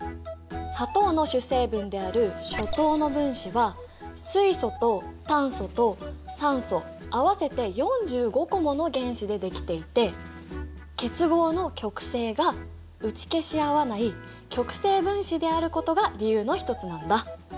砂糖の主成分であるショ糖の分子は水素と炭素と酸素合わせて４５個もの原子でできていて結合の極性が打ち消し合わない極性分子であることが理由のひとつなんだ。